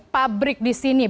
pabrik di sini